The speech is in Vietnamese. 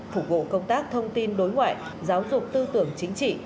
phục vụ công tác thông tin đối ngoại giáo dục tư tưởng chính trị